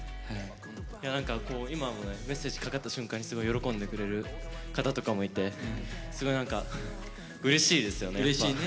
いやなんか今も「Ｍｅｓｓａｇｅ」かかった瞬間にすごい喜んでくれる方とかもいてすごいうれしいですよね。